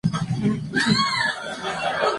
En la elección nacional hubo varias candidatas.